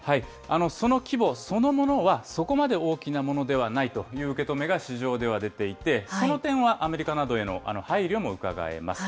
その規模そのものはそこまで大きなものではないという受け止めが、市場では出ていて、その点はアメリカなどへの配慮もうかがえます。